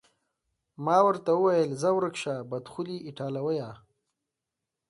ما ورته وویل: ځه ورک شه، بدخولې ایټالویه.